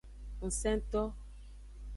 Ngsento.